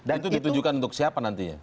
itu ditujukan untuk siapa nantinya